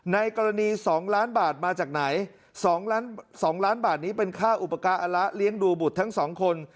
ในกรณีสองล้านบาทมาจากไหนสองล้านสองล้านบาทนี้เป็นค่าอุปการะเลี้ยงดูบุตรทั้งสองคน